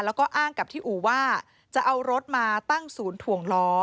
แล้วก็อ้างกับที่อู่ว่าจะเอารถมาตั้งศูนย์ถ่วงล้อ